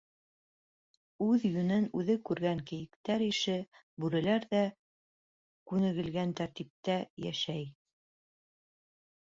Үҙ йүнен үҙе күргән кейектәр ише, бүреләр ҙә күнегелгән тәртиптә йәшәй.